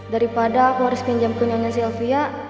daripada aku harus pinjam ke nyonya sylvia